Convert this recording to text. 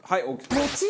餅？